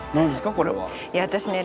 これは。